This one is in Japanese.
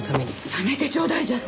やめてちょうだいジャス！